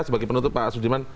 sebagai penutup pak asyudziman